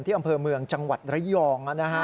อำเภอเมืองจังหวัดระยอง